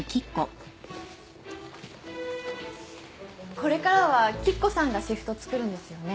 これからは吉子さんがシフト作るんですよね？